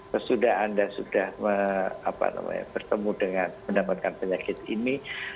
sesudah anda sudah bertemu dengan mendapatkan penyakit ini